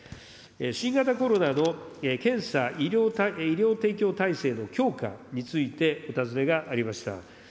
新型コロナの検査、医療提供体制の強化についてお尋ねがありました。